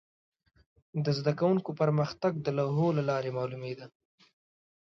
د زده کوونکو پرمختګ د لوحو له لارې معلومېده.